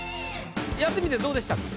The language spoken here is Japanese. やってみてどうでしたか？